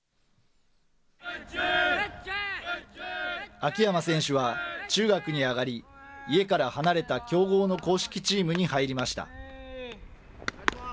秋山選手は中学に上がり、家から離れた強豪の硬式チームに入りました。